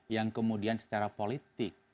yang kemudian secara politik